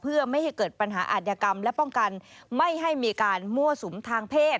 เพื่อไม่ให้เกิดปัญหาอาธิกรรมและป้องกันไม่ให้มีการมั่วสุมทางเพศ